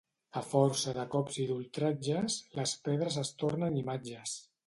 A força de cops i d'ultratges, les pedres es tornen imatges.